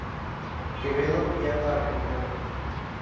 Quevedo viaja a recogerlo.